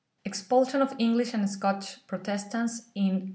Expulsion of English and Scotch Protestants in 1625.